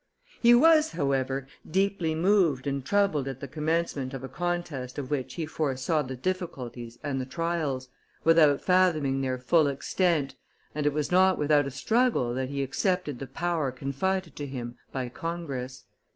He was, however, deeply moved and troubled at the commencement of a contest of which he foresaw the difficulties and the trials, without fathoming their full extent, and it was not without a struggle that he accepted the power confided to him by Congress.